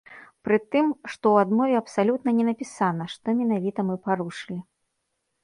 Пры тым, што ў адмове абсалютна не напісана, што менавіта мы парушылі.